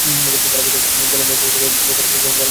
খেয়ালের বশে একটা গেলে মেয়েকে বিয়ে করে কেল জ্বলে মরবি আজীবন?